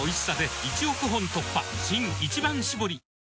新「一番搾り」